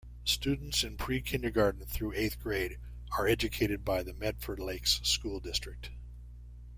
Students in pre-kindergarten through eighth grade are educated by the Medford Lakes School District.